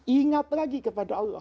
ingat lagi kepada allah